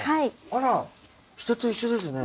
あら人と一緒ですね。